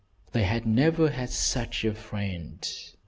They had never had such a friend.